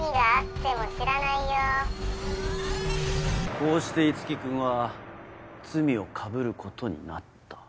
こうして樹君は罪をかぶることになった。